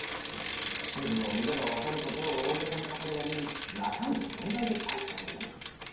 地図を見れば分かることを大げさに語る割に中身がぞんざいで大したことがねぇ。